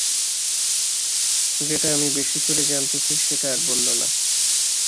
যেটা আমি বেশি করে জানতে চাই সেটা আর বললো না!